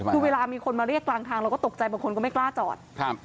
คือเวลามีคนมาเรียกกลางทางเราก็ตกใจบางคนก็ไม่กล้าจอดครับ